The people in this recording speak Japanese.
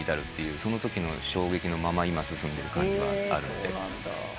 そのときの衝撃のまま今進んでる感じはあるんで。